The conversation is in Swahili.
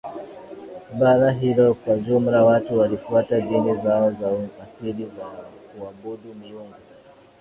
bara hilo Kwa jumla watu walifuata dini zao za asili za kuabudu miungu